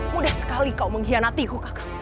mudah sekali kau mengkhianatiku kakak